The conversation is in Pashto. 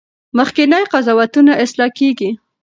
مخکني قضاوتونه اصلاح کیږي.